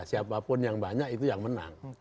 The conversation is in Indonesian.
siapapun yang banyak itu yang menang